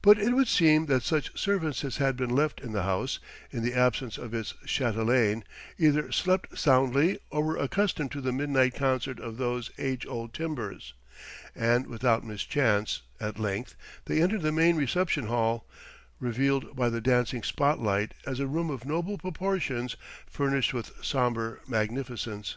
But it would seem that such servants as had been left in the house, in the absence of its chatelaine, either slept soundly or were accustomed to the midnight concert of those age old timbers; and without mischance, at length, they entered the main reception hall, revealed by the dancing spot light as a room of noble proportions furnished with sombre magnificence.